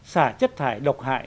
xả chất thải độc hại